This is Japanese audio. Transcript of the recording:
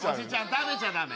食べちゃダメ。